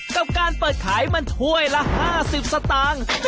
กับการเปิดขายมันถ้วยละ๕๐สตางค์